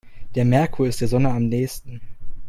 Der Merkur ist der Sonne am nähesten.